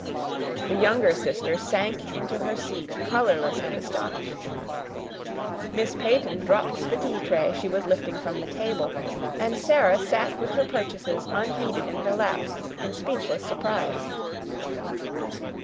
The younger sister sank into her seat colorless and astonished. Miss Peyton dropped the tea tray she was lifting from the table, and Sarah sat with her purchases unheeded in her lap, in speechless surprise.